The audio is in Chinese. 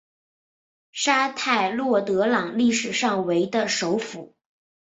沙泰洛德朗历史上为的首府。